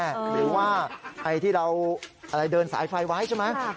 หรือว่าไอ้ที่เราเดินสายไฟไว้ใช่ไหม